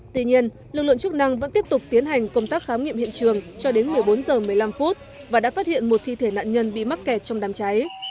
tuy nhiên lực lượng chức năng vẫn tiếp tục tiến hành công tác khám nghiệm hiện trường cho đến một mươi bốn h một mươi năm và đã phát hiện một thi thể nạn nhân bị mắc kẹt trong đám cháy